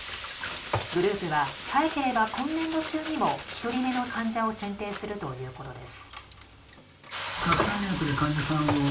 グループは早ければ今年度中にも１人目の患者を選定するということです。